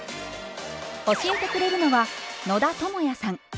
教えてくれるのは野田智也さん。